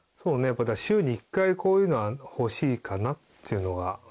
やっぱ週に１回こういうのは欲しいかなっていうのが。